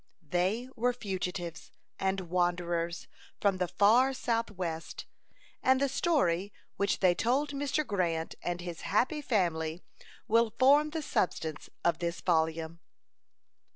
They were fugitives and wanderers from the far south west; and the story which they told to Mr. Grant and his happy family will form the substance of this volume.